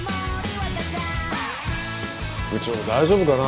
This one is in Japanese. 部長大丈夫かな？